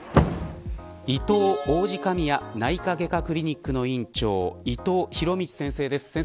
いとう王子神谷内科外科クリニックの院長伊藤博道先生です。